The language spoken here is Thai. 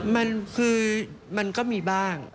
มันคือมันก็มีบ้าง